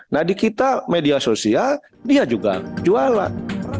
nah di kita media sosial dia juga jualan